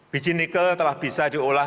biji nikel telah bisa diolah